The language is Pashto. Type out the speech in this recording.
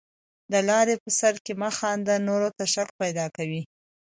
د لاري په سر کښي مه خانده، نورو ته شک پیدا کوې.